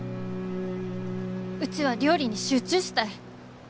うちは料理に集中したい。